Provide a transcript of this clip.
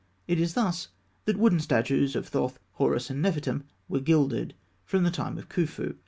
It was thus that wooden statuettes of Thoth, Horus, and Nefertûm were gilded, from the time of Khûfû.